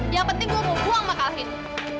yang penting gue mau buang makalah ini